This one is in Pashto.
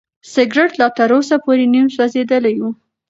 سګرټ لا تر اوسه پورې نیم سوځېدلی و.